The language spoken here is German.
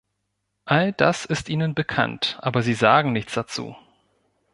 All das ist Ihnen bekannt, aber Sie sagen nichts dazu.